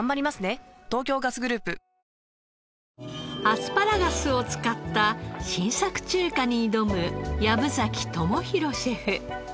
アスパラガスを使った新作中華に挑む薮崎友宏シェフ。